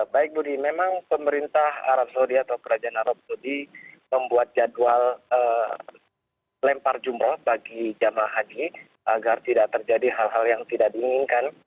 baik budi memang pemerintah arab saudi atau kerajaan arab saudi membuat jadwal lempar jumroh bagi jemaah haji agar tidak terjadi hal hal yang tidak diinginkan